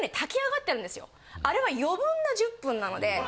あれは余分な１０分なので。